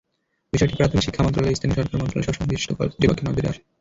বিষয়টি প্রাথমিক শিক্ষা মন্ত্রণালয়, স্থানীয় সরকার মন্ত্রণালয়সহ সংশ্লিষ্ট কর্তৃপক্ষের নজরে আসে।